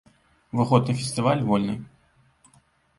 Уваход на фестываль вольны!